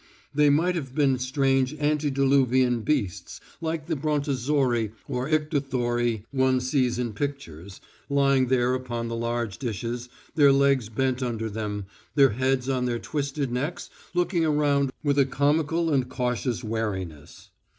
They might have been strange antediluvian beasts, like the brontozauri or ichthauri one sees in pictures, lying there upon the large dishes, their legs bent under them, their heads on their twisted necks looking around with a comical and cautious wariness.